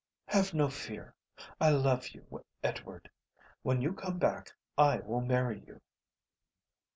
"Have no fear. I love you, Edward. When you come back I will marry you."